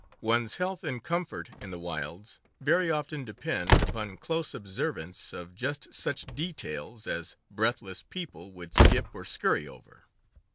One's health and comfort in the wilds very often depend upon close observance of just such details as breathless people would skip or scurry over.